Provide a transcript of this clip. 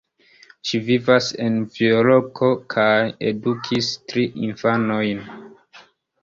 Ŝi vivas en Novjorko kaj edukis tri infanojn.